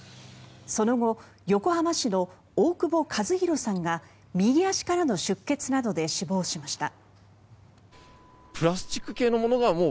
その後、横浜市の大久保和弘さんが右足からの出血などで死亡しました。